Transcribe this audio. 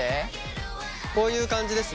こういう感じですね。